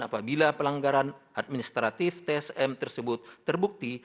apabila pelanggaran administratif tsm tersebut terbukti